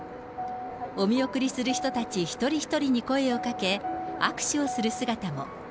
お見送りする人たち一人一人に声をかけ、握手をする姿も。